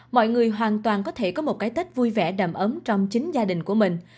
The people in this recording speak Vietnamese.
mọi người hoàn toàn có thể có một cái tết vui vẻ đầm ấm trong chính gia đình của mình